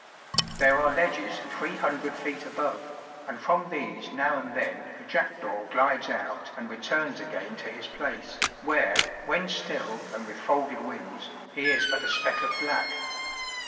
There are ledges three hundred feet above, and from these now and then a jackdaw glides out and returns again to his place, where, when still and with folded wings, he is but a speck of black.